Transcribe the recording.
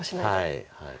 はい。